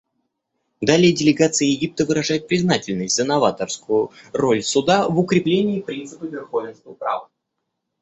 Далее делегация Египта выражает признательность за новаторскую роль Суда в укреплении принципа верховенства права.